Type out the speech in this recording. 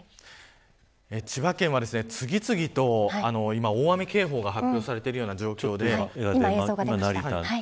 千葉県は次々と大雨警報が発表されている状況で。